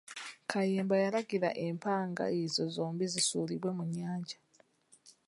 Kayemba yalagira empanga ezo zombi zisuulibwe mu nnyanja.